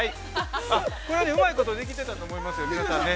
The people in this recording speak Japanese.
これはうまいことできてたと思いますよ、皆さんね。